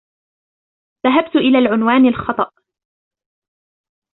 ذهبت إلى العنوان الخطأ.